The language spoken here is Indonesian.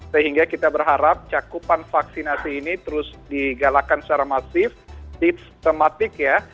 sehingga kita berharap cakupan vaksinasi ini terus digalakan secara masif sistematik ya